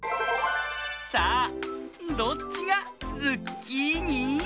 さあどっちがズッキーニ？